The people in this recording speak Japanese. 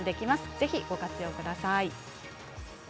ぜひ、ご活用ください。